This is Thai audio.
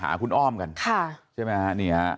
หาคุณอ้อมกัน